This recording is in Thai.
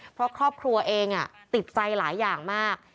เพราะครอบครัวเองติดใจหลายอย่างมาก